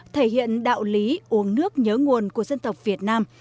thể hiện đạo lý uống nước nhớ nguồn của dân tộc việt nam